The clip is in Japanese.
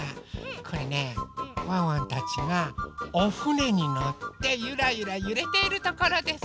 これねワンワンたちがおふねにのってゆらゆらゆれているところです。